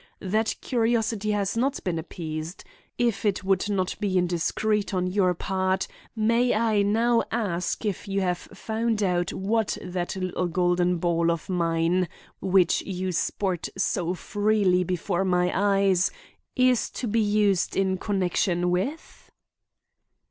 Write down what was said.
That curiosity has not been appeased. If it would not be indiscreet on your part, may I now ask if you have found out what that little golden ball of mine which you sport so freely before my eyes is to be used in connection with?"